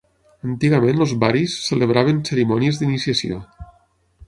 Antigament els baris celebraven cerimònies d'iniciació.